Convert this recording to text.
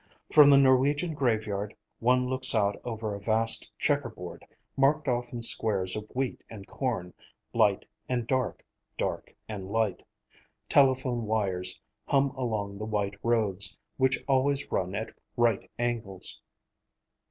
From the Norwegian graveyard one looks out over a vast checker board, marked off in squares of wheat and corn; light and dark, dark and light. Telephone wires hum along the white roads, which always run at right angles.